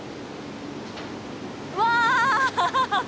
うわ！